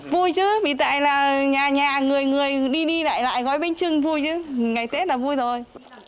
vui chứ vì tại là nhà nhà người người đi đi lại lại gói bánh trưng vui chứ ngày tết là vui rồi